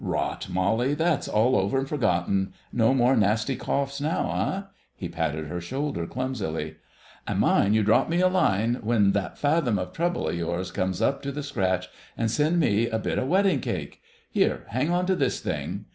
"Rot! Molly, that's all over and forgotten. No more nasty coughs now, eh?" He patted her shoulder clumsily. "An' mind you drop me a line when that fathom of trouble of yours comes up to the scratch, and send me a bit of wedding cake—here, hang on to this thing....